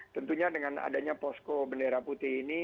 tentunya dengan adanya posko bendera putih ini